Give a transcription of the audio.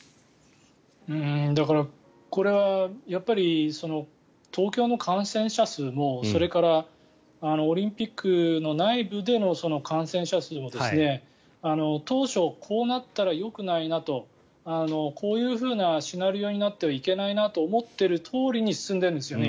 だから、これは東京の感染者数もそれからオリンピックの内部での感染者数も当初、こうなったらよくないなとこういうふうなシナリオになってはいけないなと思っているとおりに進んでいるんですよね。